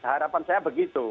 harapan saya begitu